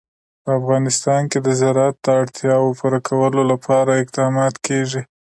په افغانستان کې د زراعت د اړتیاوو پوره کولو لپاره اقدامات کېږي.